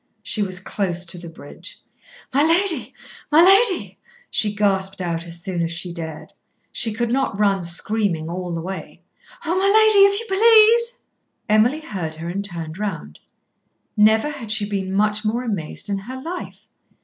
She was close to the bridge. "My lady! my lady!" she gasped out as soon as she dared. She could not run screaming all the way. "Oh, my lady! if you please!" Emily heard her and turned round. Never had she been much more amazed in her life.